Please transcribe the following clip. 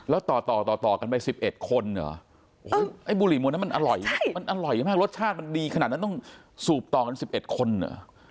แล้วต่อต่อกันไป๑๑คนเหรอไอ้บุหรี่มวลนั้นมันอร่อยมันอร่อยมากรสชาติมันดีขนาดนั้นต้องสูบต่อกัน๑๑คนเหรอ